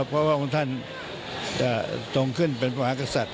เพราะว่าคุณท่านตรงขึ้นเป็นผลักษัตริย์